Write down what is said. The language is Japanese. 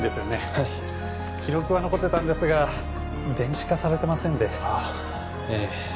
はい記録は残ってたんですが電子化されてませんであっええ